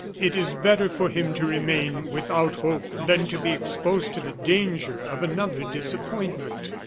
It is better for him to remain without hope than to be exposed to the danger of another disappointment."